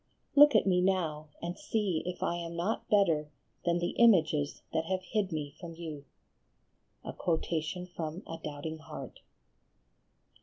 Look at me now, and see if I am not better than the images that have hid me from you." A Doubting Heart.